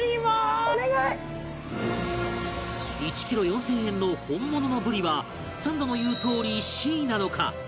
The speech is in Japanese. １キロ４０００円の本物のブリはサンドの言うとおり Ｃ なのか？